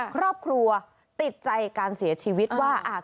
ครอบครัวติดใจการเสียชีวิตว่า